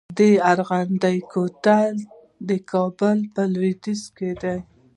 د ارغندې کوتل کابل لویدیځ ته دی